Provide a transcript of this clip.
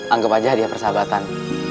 anggep aja dia persahabatan